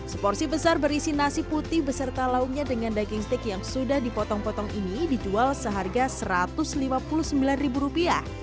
seporsi besar berisi nasi putih beserta lauknya dengan daging steak yang sudah dipotong potong ini dijual seharga rp satu ratus lima puluh sembilan